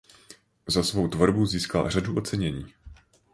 Za svou tvorbu získal řadu ocenění.